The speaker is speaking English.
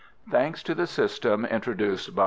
] Thanks to the system introduced by M.